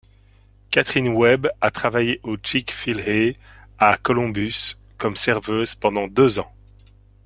Katherine Webb a travaillé au Chick-fil-A à Columbus, comme serveuse, pendant deux ans.